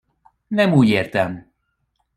Nem úgy értem.